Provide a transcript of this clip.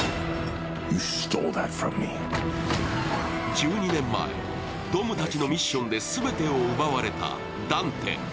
１２年前、ドムたちのミッションで全てを奪われたダンテ。